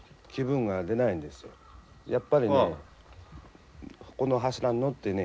やっぱりねこの柱に乗ってね